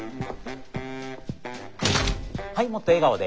はいもっと笑顔で。